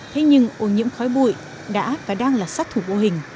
thế nhưng ô nhiễm khói bụi đã và đang là sát thủ vô hình